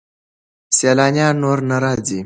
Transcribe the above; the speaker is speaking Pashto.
سیلانیان نور نه راځي.